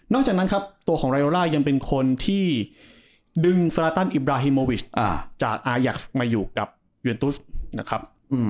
จากนั้นครับตัวของรายโลล่ายังเป็นคนที่ดึงสราตันอิบราฮิโมวิชจากอายักษ์มาอยู่กับเวียนตุสนะครับ